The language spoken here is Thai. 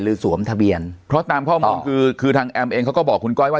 สวมทะเบียนเพราะตามข้อมูลคือคือทางแอมเองเขาก็บอกคุณก้อยว่า